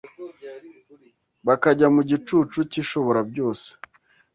bakajya mu gicucu cy’Ishoborabyose,